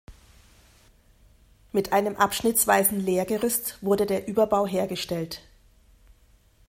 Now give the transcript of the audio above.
Mit einem abschnittsweisen Lehrgerüst wurde der Überbau hergestellt.